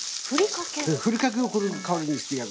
ふりかけをこの代わりにしてやる。